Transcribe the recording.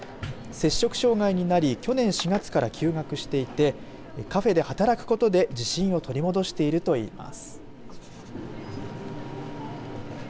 摂食障害になり去年４月から休学していてカフェで働くことで自信を取り戻しているといいます。